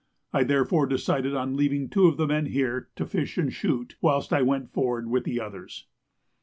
I therefore decided on leaving two of the men here to fish and shoot, whilst I went forward with the others.